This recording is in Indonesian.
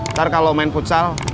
ntar kalau main futsal